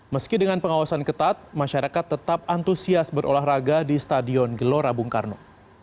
meski dengan pengawasan ketat masyarakat tetap antusias berolahraga di stadion gelora bung karno